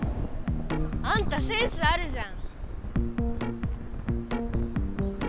あんたセンスあるじゃん。